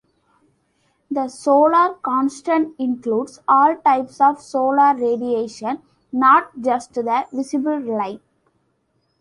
The solar constant includes all types of solar radiation, not just the visible light.